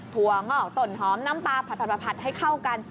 ถั่วงอกตนหอมน้ำปลาผัดให้เข้ากัน